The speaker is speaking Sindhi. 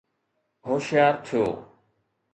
هوشيار ٿيو